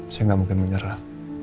saya tidak mungkin menyerah